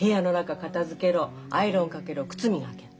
片づけろアイロンかけろ靴磨け。